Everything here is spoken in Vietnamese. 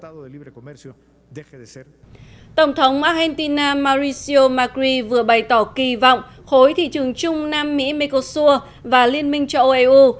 tổng thống argentina mauricio macri vừa bày tỏ kỳ vọng khối thị trường chung nam mỹ mecosur và liên minh cho oeu